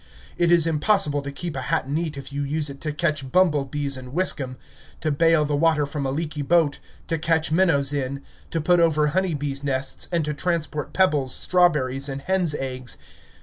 It is impossible to keep a hat neat if you use it to catch bumblebees and whisk 'em; to bail the water from a leaky boat; to catch minnows in; to put over honey bees' nests, and to transport pebbles, strawberries, and hens' eggs.